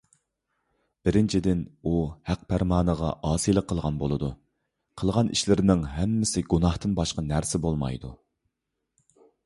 بىرىنچىدىن، ئۇ ھەق پەرمانىغا ئاسىيلىق قىلغان بولىدۇ. قىلغان ئىشلىرىنىڭ ھەممىسى گۇناھتىن باشقا نەرسە بولمايدۇ.